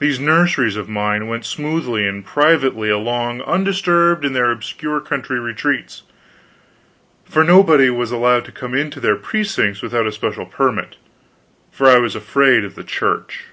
These nurseries of mine went smoothly and privately along undisturbed in their obscure country retreats, for nobody was allowed to come into their precincts without a special permit for I was afraid of the Church.